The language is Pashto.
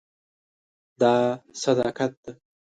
دا صداقت ده.